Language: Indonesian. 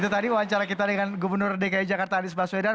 itu tadi wawancara kita dengan gubernur dki jakarta anies baswedan